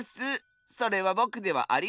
それはぼくではありません！